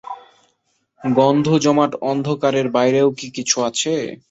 গন্ধ-জমাট অন্ধকার-এর বাইরেও কি কিছু আছে?